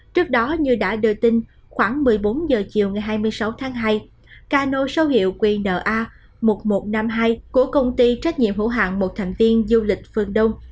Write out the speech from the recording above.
trước đó như đã đưa tin khoảng một mươi bốn h chiều ngày hai mươi sáu tháng hai cano số hiệu qna một nghìn một trăm năm mươi hai của công ty trách nhiệm hữu hạng một thành viên du lịch phương đông